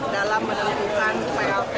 dan saya mengapresiasi langkah cepat dpp